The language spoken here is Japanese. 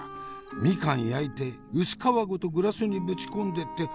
みかん焼いて薄皮ごとグラスにぶち込んでって